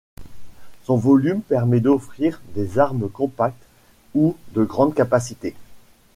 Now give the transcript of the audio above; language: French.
Son volume permet d'offrir des armes compactes ou de grande capacité.